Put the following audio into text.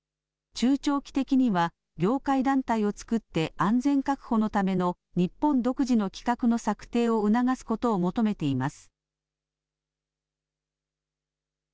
中長期的には、業界団体を作って安全確保のための日本独自の規格の策定を促すことを求めています。